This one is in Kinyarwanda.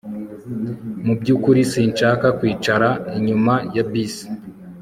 Mu byukuri sinshaka kwicara inyuma ya bisi